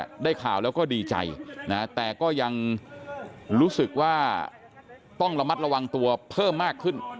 ได้ข่าวแล้วก็ดีใจนะแต่ก็ยังรู้สึกว่าต้องระมัดระวังตัวเพิ่มมากขึ้น